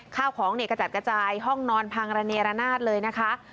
ข้าวของเนี่ยกระจัดกระจายห้องนอนพังระเนรนาศเลยนะคะ